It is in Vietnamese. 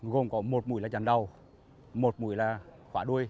gồm có một mũi là giàn đầu một mũi là khóa đuôi